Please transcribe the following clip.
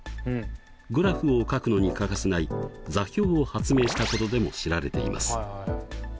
グラフを書くのに欠かせない座標を発明したことでも知られています。